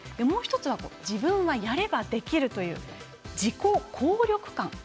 もう１つは自分がやればできるという自己効力感。